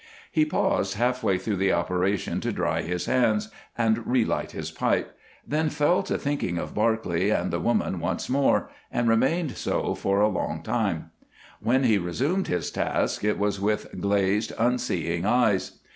He paused half way through the operation to dry his hands and relight his pipe, then fell to thinking of Barclay and the woman once more, and remained so for a long time. When he resumed his task it was with glazed, unseeing eyes.